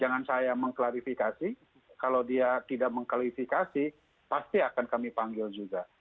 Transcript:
jangan saya mengklarifikasi kalau dia tidak mengklarifikasi pasti akan kami panggil juga